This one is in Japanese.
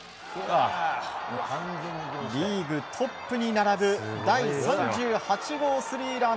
リーグトップに並ぶ第３８号スリーラン。